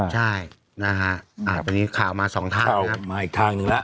ใช่น่าฮะอันนี้ข่าวมาสองทางครับข่าวมาอีกทางหนึ่งแล้ว